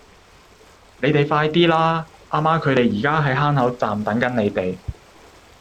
你哋快啲啦!阿媽佢哋而家喺坑口站等緊你哋